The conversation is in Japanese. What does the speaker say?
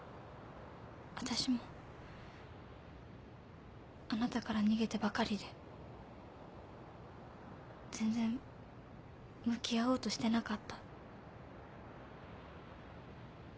わたしもあなたから逃げてばかりで全然向き合おうとしてなかった。